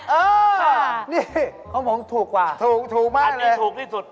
เออนี่เขามองถูกว่ะถูกมากเลยอันนี้ถูกที่สุด